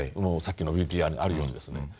さっきのＶＴＲにあるようにですね。